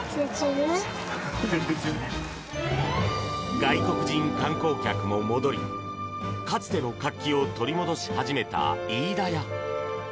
外国人観光客も戻りかつての活気を取り戻し始めた飯田屋。